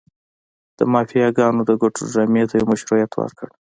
د مافیاګانو د ګټو ډرامې ته یې مشروعیت ورکړ.